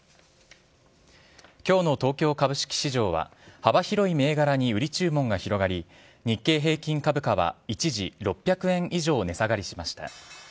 きょうの東京株式市場は、幅広い銘柄に売り注文が広がり、日経平均株価は一時６００円以上値下がりしました。